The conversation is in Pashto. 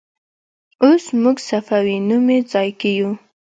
اوس موږ صفوي نومې ځای کې یو.